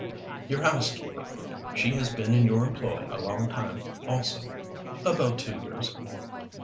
"Your housekeeper she has been in your employ a long time, also?" "About two years."